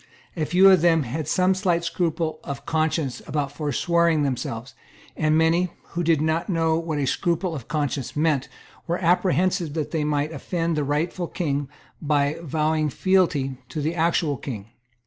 A few of them had some slight scruple of conscience about foreswearing themselves; and many, who did not know what a scruple of conscience meant, were apprehensive that they might offend the rightful King by vowing fealty to the actual King.